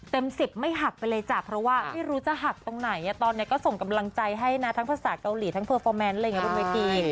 ๑๐ไม่หักไปเลยจ้ะเพราะว่าไม่รู้จะหักตรงไหนตอนนี้ก็ส่งกำลังใจให้นะทั้งภาษาเกาหลีทั้งเพอร์ฟอร์แมนต์อะไรอย่างนี้บนเวที